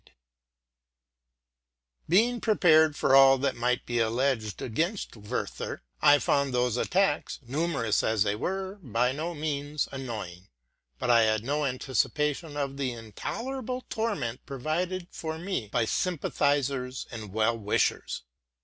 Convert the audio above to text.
yi Being prepared for all that might be alleged against Werther, I found those attacks, numerous as they were, by no means annoying; but I had no anticipation of the smtdi erable torment provided for me by sympathizers and well wishers.